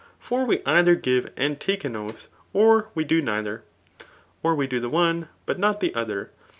For we either give and t^e an oath ; or we do neither. Or we do the one, but not the other.